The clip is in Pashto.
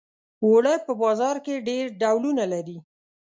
اوړه په بازار کې ډېر ډولونه لري